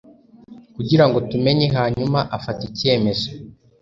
Kugirango tumenye hanyuma afata icyemezo